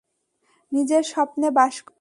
নিজের স্বপ্নে বাস কর।